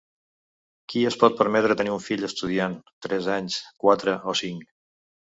Qui es pot permetre tenir un fill estudiant tres anys, quatre o cinc?